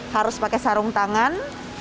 harus pakai sarung tangan